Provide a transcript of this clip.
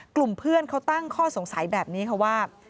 กลุ่มเพื่อนเขาตั้งข้อสงสัยแบบนี้ค่ะว่า